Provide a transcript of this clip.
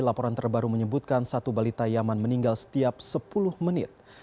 laporan terbaru menyebutkan satu balita yaman meninggal setiap sepuluh menit